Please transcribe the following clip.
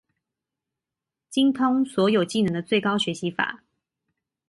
精通所有技能的最高學習法